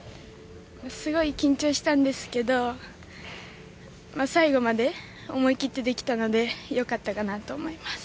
すごい緊張したんですけど最後まで思い切ってできたのでよかったかなと思います。